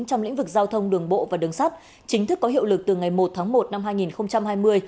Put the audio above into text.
trong lĩnh vực giao thông đường bộ và đường sắt chính thức có hiệu lực từ ngày một tháng một năm hai nghìn hai mươi